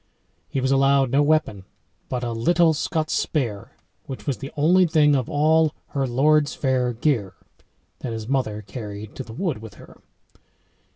He was allowed no weapon but "a lyttel Scots spere," which was the only thing of all "her lordes faire gere" that his mother carried to the wood with her.